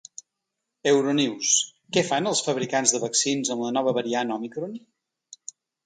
Euronews: Què fan els fabricants de vaccins amb la nova variant òmicron?